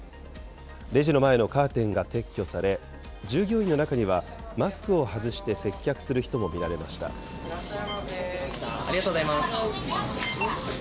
レジの前のカーテンが撤去され、従業員の中にはマスクを外して接ありがとうございます。